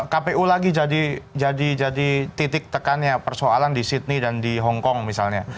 kpu lagi jadi titik tekannya persoalan di sydney dan di hongkong misalnya